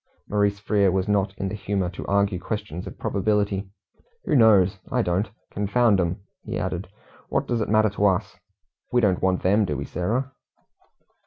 Maurice Frere was not in the humour to argue questions of probability. "Who knows? I don't. Confound 'em," he added, "what does it matter to us? We don't want them, do we, Sarah?"